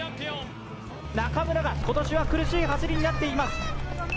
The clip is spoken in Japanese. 中村が今年は苦しい走りとなっています。